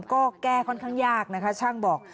ก็แก้ค่อนข้างยากนะคะช่างบอก